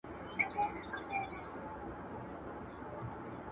ماشوم په لوړ غږ سره خټ خټ خندل.